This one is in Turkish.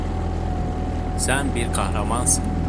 Sen bir kahramansın.